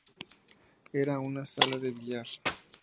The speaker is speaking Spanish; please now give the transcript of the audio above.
Era una sala de billar.